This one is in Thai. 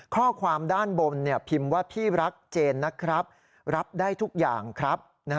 ข้อความด้านบนพิมพ์ว่าพี่รักเจนนะครับรับได้ทุกอย่างครับ